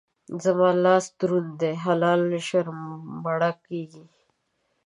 زما لاس دروند دی؛ حلاله ژر مړه کېږي.